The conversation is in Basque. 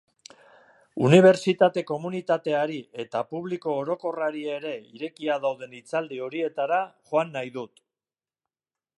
Unibertsitate komunitateari eta publiko orokorrari ere irekiak dauden hitzaldi horietara joan nahi dut.